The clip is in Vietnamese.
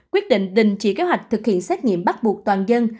quyết định đình chỉ kế hoạch thực hiện xét nghiệm bắt buộc toàn dân